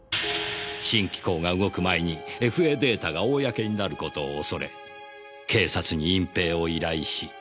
新機構が動く前にＦＡデータが公になることを恐れ警察に隠蔽を依頼し。